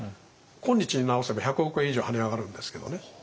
今日に直せば１００億円以上跳ね上がるんですけどね。